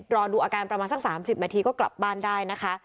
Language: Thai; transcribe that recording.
รอดูอาการประมาณสัก๓๐นาทีก็กลับบ้านได้นะคะ